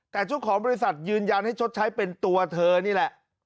แต่เจ้าของบริษัทยืนยันให้ชดใช้เป็นตัวเธอนี่แหละ